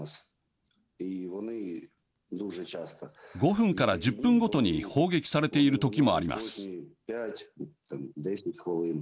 ５分から１０分ごとに砲撃されている時もあります。